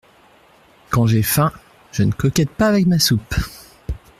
Quand j’ai faim, je ne coquette pas avec ma soupe !